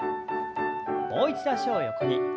もう一度脚を横に。